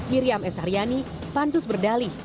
miriam s haryani pansus berdalih